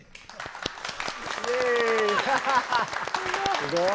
すごい。